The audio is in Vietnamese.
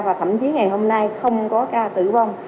và thậm chí ngày hôm nay không có ca tử vong